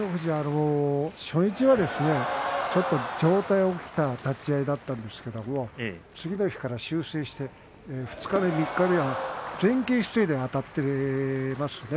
初日はちょっと上体が起きた立ち合いだったんですけれど次の日から修正して二日目、三日目は前傾姿勢であたっていますよね。